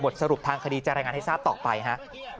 สรุปทางคดีจะรายงานให้ทราบต่อไปฮะ